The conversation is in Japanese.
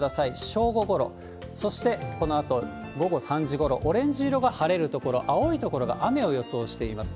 正午ごろ、そしてこのあと午後３時ごろ、オレンジ色が晴れる所、青い所が雨を予想しています。